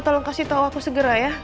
tolong kasih tahu aku segera ya